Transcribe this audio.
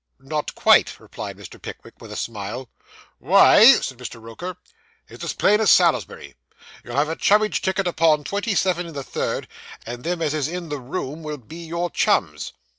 'Not quite,' replied Mr. Pickwick, with a smile. 'Why,' said Mr. Roker, 'it's as plain as Salisbury. You'll have a chummage ticket upon twenty seven in the third, and them as is in the room will be your chums.